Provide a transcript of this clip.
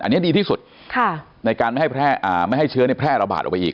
อันนี้ดีที่สุดในการไม่ให้แพร่อาแม่ให้แพร่ระบาดออกไปอีก